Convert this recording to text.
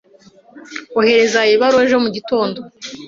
Ohereza iyi baruwa ejo mu gitondo.